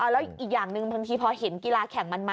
แล้วอีกอย่างหนึ่งพอเห็นกีฬาแข็งมันนะ